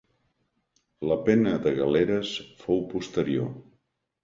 La pena de galeres fou posterior.